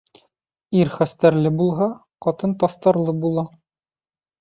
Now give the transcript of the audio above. Ир хәстәрле булһа, ҡатын таҫтарлы була.